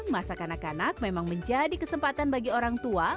masa kanak kanak memang menjadi kesempatan bagi orang tua